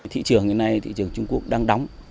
thị trường hiện nay thị trường trung quốc đang đóng